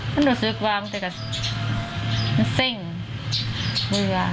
มันรู้สึกว่ามันแต่กับมันเซ่งเบื่อ